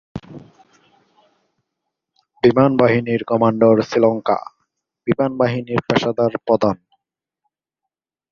বিমানবাহিনীর commander Sri Lanka বিমানবাহিনীর পেশাদার প্রধান।